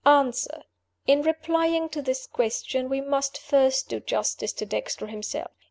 "Answer: In replying to this question, we must first do justice to Dexter himself.